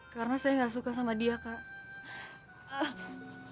karena saya gak suka sama dia kak